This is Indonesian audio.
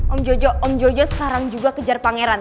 om jojo om jojo sekarang juga kejar pangeran